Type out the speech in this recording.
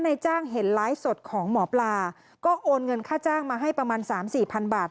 ในจ้างเห็นไลฟ์สดของหมอปลาก็โอนเงินค่าจ้างมาให้ประมาณสามสี่พันบาท